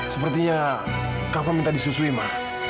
sepertinya kava minta disusui mah